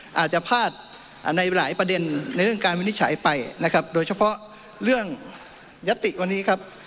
อาจจะพลาดในหลายประเด็นในเรื่องการวินิจฉัยไปนะครับโดยเฉพาะเรื่องยัตติวันนี้ครับ